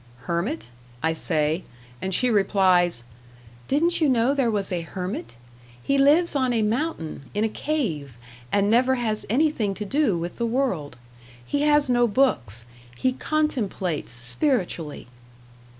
"Hermit?" I say, and she replies, "Didn't you know there was a hermit? He lives on a mountain, in a cave, and never has anything to do with the world. He has no books; he contemplates spiritually."